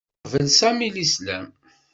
Yeqbel Sami Lislam.